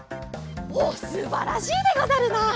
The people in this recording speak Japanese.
おっすばらしいでござるな。